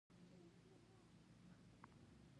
زموږ کور په لښکرګاه کی دی